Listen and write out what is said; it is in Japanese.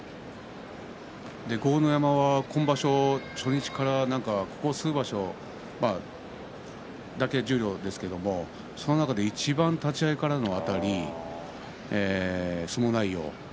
豪ノ山は今場所初日から何かここ数場所だけ十両ですけど立ち合いからのあたり、相撲内容